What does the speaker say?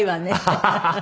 ハハハハ。